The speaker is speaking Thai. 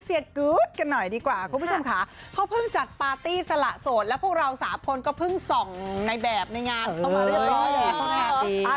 กู๊ดกันหน่อยดีกว่าคุณผู้ชมค่ะเขาเพิ่งจัดปาร์ตี้สละโสดแล้วพวกเราสามคนก็เพิ่งส่องในแบบในงานเข้ามาเรียบร้อยแล้วนะคะ